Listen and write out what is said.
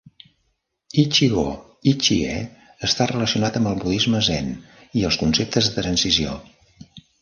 "Ichi-go ichi-e" està relacionat amb el budisme zen i els conceptes de transició.